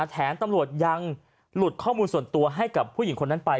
แถมตำรวจยังหลุดข้อมูลส่วนตัวให้กับผู้หญิงคนนั้นไป